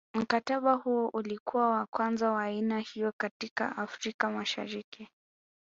Mkataba huo ulikuwa wa kwanza wa aina hiyo katika Afrika Mashariki